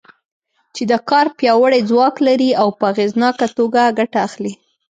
چې د کار پیاوړی ځواک لري او په اغېزناکه توګه ګټه اخلي.